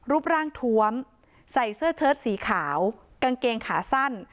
รูปร่างทวมใส่เสื้อเชิดสีขาวกางเกงขาสั้น